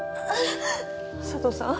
佐都さん？